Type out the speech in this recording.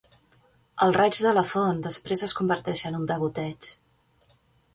El raig de la font després es converteix en un degoteig.